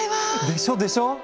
でしょでしょ！